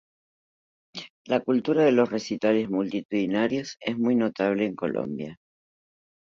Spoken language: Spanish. La cultura de los recitales multitudinarios es muy notable en Colombia.